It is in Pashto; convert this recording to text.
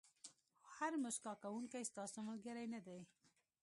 هر موسکا کوونکی ستاسو ملګری نه دی.